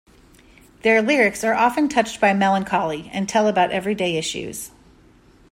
Their lyrics are often touched by melancholy and tell about every-day issues.